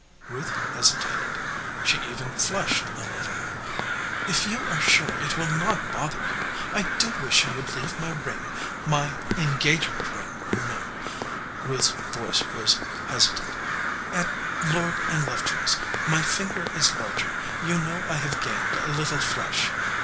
Ruth hesitated. She even flushed a little. "If you are sure it will not bother you, I do wish you would leave my ring, my engagement ring, you know" Ruth s voice was hesitant "at Lord & Lovejoy s. My finger is larger. You know I have gained a little flesh.